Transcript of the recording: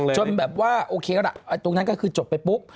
แบบว่าโอเคละตรงนั้นก็คือจบไปปุ๊บ